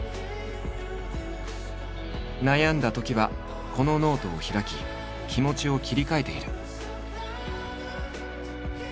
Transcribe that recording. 悩んだときはこのノートを開き気持ちを切り替えている。